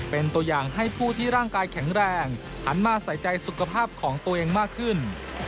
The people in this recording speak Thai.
เป็นตัวอย่างให้ผู้ที่ร่างกายแข็งแรงหันมาใส่ใจสุขภาพของตัวเองมากขึ้น